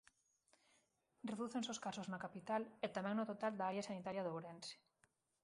Redúcense os casos na capital e tamén no total da área sanitaria de Ourense.